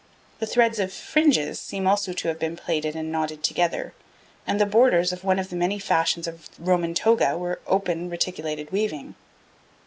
The threads of fringes seem also to have been plaited and knotted together, and the borders of one of the many fashions of Roman toga were of open reticulated weaving.